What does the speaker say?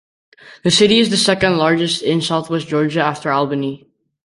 The city is the second largest in Southwest Georgia after Albany.